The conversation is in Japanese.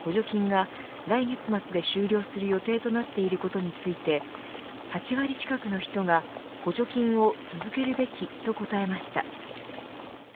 燃料価格を軽減するための政府の補助金が来月末で終了する予定となっていることについて８割近くの人が補助金を続けるべきと答えました。